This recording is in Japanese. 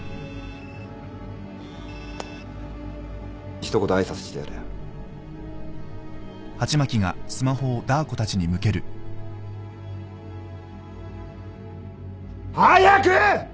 一言挨拶してやれよ。早く！